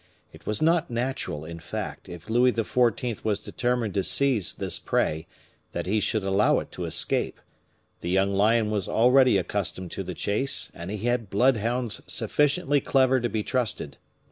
It was not natural, in fact, if Louis XIV. was determined to seize this prey, that he should allow it to escape; the young lion was already accustomed to the chase, and he had bloodhounds sufficiently clever to be trusted.